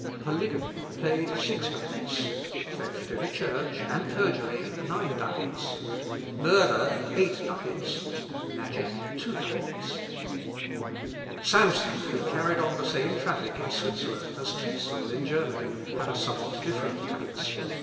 Polygamy paid six ducats; theft in a church, and perjury, nine ducats; murder, eight ducats; magic, two ducats. Samson, who carried on the same traffic in Switzerland as Tezel in Germany, had a somewhat different tax.